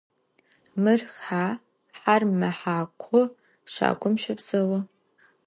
Mır he, her mehakhu, şagum şepseu.